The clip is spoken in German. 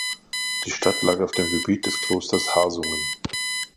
Die Stadt lag auf dem Gebiet des Klosters Hasungen.